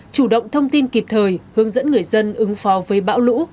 chủ động thông tin kịp thời hướng dẫn người dân ứng phó với bão lũ